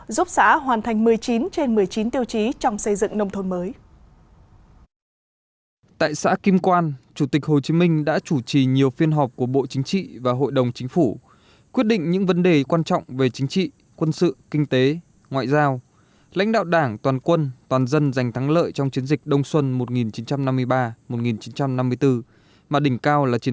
giúp xã hoàn thành một mươi chín trên một mươi chín tiêu chí trong xây dựng nông thôn mới